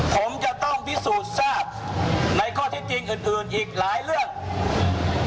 ผมจะต้องพิสูจน์ทราบในข้อเท็จจริงอื่นอื่นอีกหลายเรื่อง